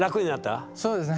そうですね。